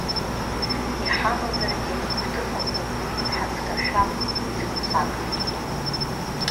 Иҳамазаргьы гәҭыхақәак, дҳазкашәап ҭынхак.